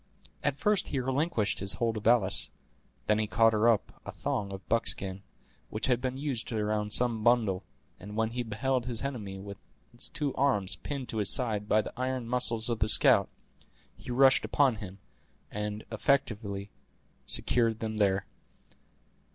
At first he relinquished his hold of Alice; then he caught up a thong of buckskin, which had been used around some bundle, and when he beheld his enemy with his two arms pinned to his side by the iron muscles of the scout, he rushed upon him, and effectually secured them there.